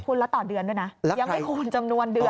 คุณแล้วต่อเดือนด้วยนะยังไม่คูณจำนวนเดือน